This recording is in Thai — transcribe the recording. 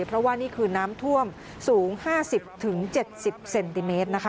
เพราะว่านี่คือน้ำท่วมสูง๕๐๗๐เซนติเมตรนะคะ